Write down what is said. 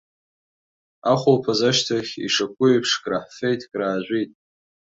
Ахәылԥаз ашьҭахь, ишаԥу еиԥш, краҳфеит, краажәит.